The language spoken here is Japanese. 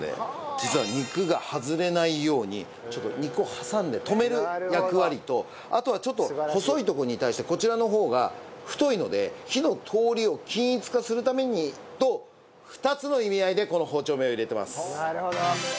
実は肉が外れないようにちょっと肉を挟んで留める役割とあとはちょっと細いところに対してこちらの方が太いので火の通りを均一化するためにと２つの意味合いでこの包丁目を入れてます。